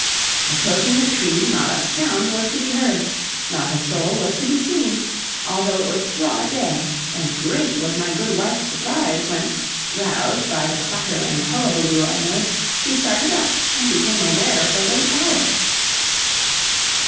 Approaching the tree, not a sound was to be heard, not a soul was to be seen, although it was broad day; and great was my good wife's surprise, when, roused by the clatter and hullabaloo I made, she started up, and became aware of the late hour!